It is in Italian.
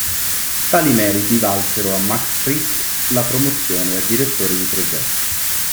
Tali meriti valsero a Max Friz la promozione a direttore di progetto.